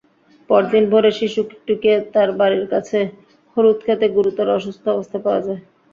পরদিন ভোরে শিশুটিকে তার বাড়ির কাছে হলুদখেতে গুরুতর অসুস্থ অবস্থায় পাওয়া যায়।